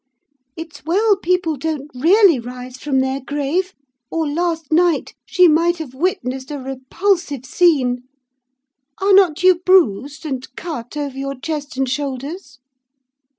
It's well people don't really rise from their grave, or, last night, she might have witnessed a repulsive scene! Are not you bruised, and cut over your chest and shoulders?